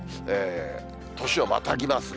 年をまたぎますね。